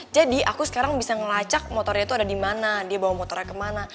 jadi aku sekarang bisa ngelacak motornya tuh ada dimana dia bawa motornya kemana